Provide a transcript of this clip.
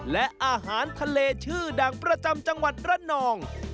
และอาหารทะเลชื่อดังประจำจังหวัดระนอง